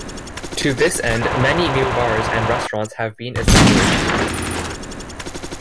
To this end many new bars and restaurants have been established.